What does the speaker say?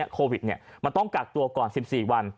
โควิดมันต้องกักตัวก่อน๑๔วัน